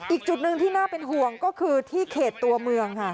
อีกจุดหนึ่งที่น่าเป็นห่วงก็คือที่เขตตัวเมืองค่ะ